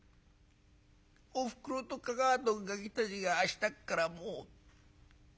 おふくろとかかあとがきたちが明日っからもう。